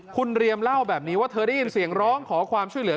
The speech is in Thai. คุณเรียมเล่าแบบนี้ว่าเธอได้ยินเสียงร้องขอความช่วยเหลือ